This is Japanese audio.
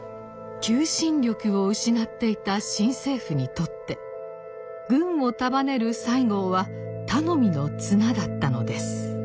求心力を失っていた新政府にとって軍を束ねる西郷は頼みの綱だったのです。